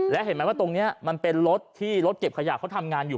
และเห็นไหมว่าตรงนี้มันเป็นรถที่รถเก็บขยะเขาทำงานอยู่